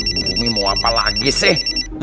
bu rumi mau apa lagi sih